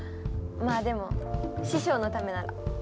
まあでも師匠のためなら。